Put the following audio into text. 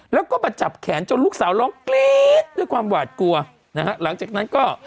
แล้วก็มาจับแขนจนลูกสาวร้องกรี๊ดด้วยความหวาดกลัวนะฮะหลังจากนั้นก็